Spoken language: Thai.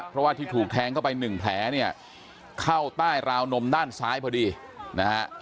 เพราะว่าที่ถูกแทงเข้าไปหนึ่งแผลเนี่ยเข้าใต้ราวนมด้านซ้ายพอดีนะฮะ